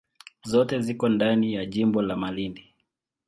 Zote ziko ndani ya jimbo la Malindi.